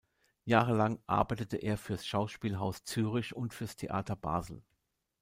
Jahrelang arbeitete er fürs Schauspielhaus Zürich und fürs Theater Basel.